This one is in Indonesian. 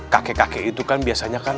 kakek kakek itu kan biasanya kan